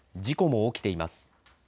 事故も起きています。